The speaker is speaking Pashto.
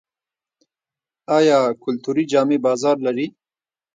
آیا کلتوري جامې بازار لري؟